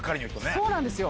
そうなんですよ。